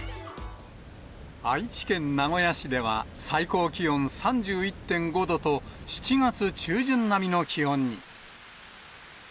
愛知県名古屋市では、最高気温３１．５度と、７月中旬並みの気温に。